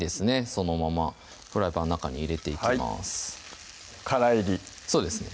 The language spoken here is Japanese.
そのままフライパンの中に入れていきますからいりそうですね